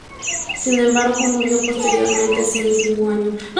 Sin embargo, murió posteriormente ese mismo año.